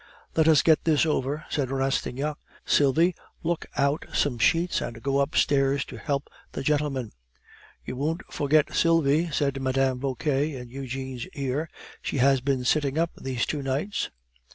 "Let us get this over," said Rastignac. "Sylvie, look out some sheets, and go upstairs to help the gentlemen." "You won't forget Sylvie," said Mme. Vauquer in Eugene's ear; "she has been sitting up these two nights."